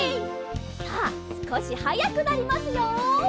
さあすこしはやくなりますよ。